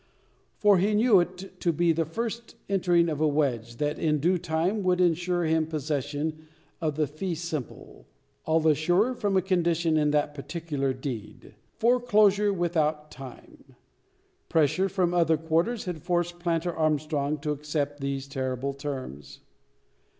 For he knew it to be the first entering of a wedge, that in due time would ensure him possession of the fee simple. All the surer, from a condition in that particular deed: Foreclosure, without time. Pressure from other quarters had forced planter Armstrong to accept these terrible terms.